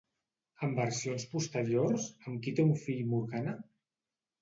En versions posteriors, amb qui té un fill Morgana?